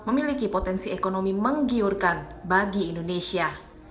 dan memiliki potensi ekonomi menggiurkan bagi indonesia